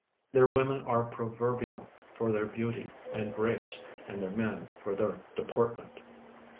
Their women are proverlnal for their beauty and grace and their men for their dei)ortment.